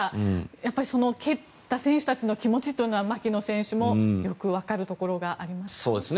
やっぱり蹴った選手たちの気持ちというのは槙野選手もわかるところがありますね。